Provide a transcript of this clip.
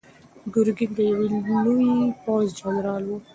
ګرګین د یوه لوی پوځ جنرال و.